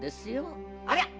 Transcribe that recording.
ありゃ！